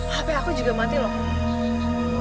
hp aku juga mati loh